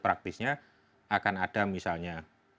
praktisnya akan ada misalnya